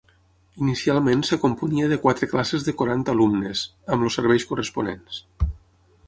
Inicialment es componia de quatre classes de quaranta alumnes, amb els serveis corresponents.